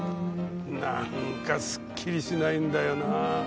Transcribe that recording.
なんかすっきりしないんだよなぁ。